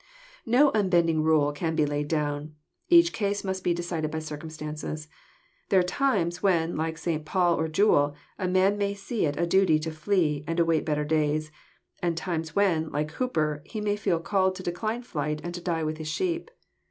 No unbending rule can be laid down. Each case mus'c be decided by circumstances. There are times when, like St. Paul or Jewell, a man may see it a duty to flee, and await better • days; and times when, like Hooper, he may feel called to decline flight and to die with his sheep.